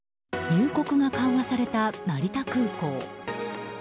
入国が緩和された成田空港。